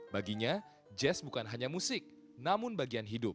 baginya jazz bukan hanya musik namun bagian hidup